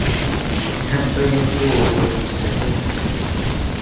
Я отдаю должное всем им.